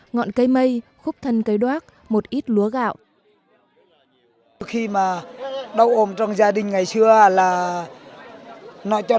ngọn cây mây khúc thân cây đoác một ít luốc